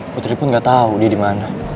putri pun gak tau dia dimana